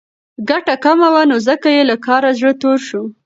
ګټه کمه وه نو ځکه یې له کاره زړه توری شو.